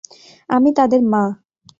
আমি তাদের মা!